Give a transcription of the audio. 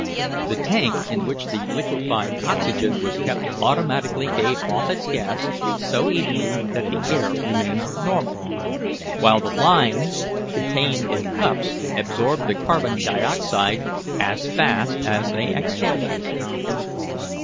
The tank in which the liquefied oxygen was kept automatically gave off its gas so evenly that the air remained normal, while the lime contained in cups absorbed the carbon dioxide as fast as they exhaled it.